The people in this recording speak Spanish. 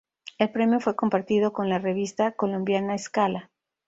El premio fue compartido con la revista colombiana Escala.